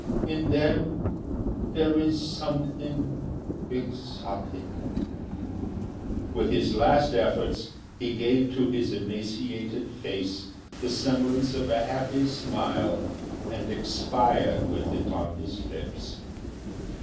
In them there is something exotic." With his last efforts he gave to his emaciated face the semblance of a happy smile, and expired with it on his lips.